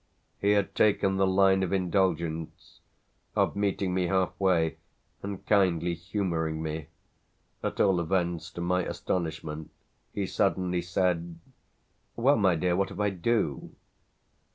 He had taken the line of indulgence, of meeting me halfway and kindly humouring me. At all events, to my astonishment, he suddenly said: "Well, my dear, what if I do?"